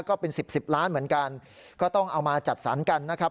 ก็เป็นสิบสิบล้านเหมือนกันก็ต้องเอามาจัดสรรกันนะครับ